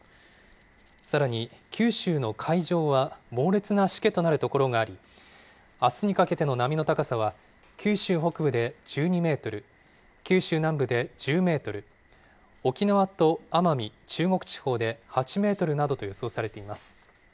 さらに、九州の海上は、猛烈なしけとなる所があり、あすにかけての波の高さは、九州北部で１２メートル、九州南部で１０メートル、沖縄と奄美、中国地方で８メートルなどと予想されています。